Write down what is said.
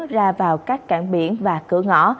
ra vào các cảng biển và cửa ngõ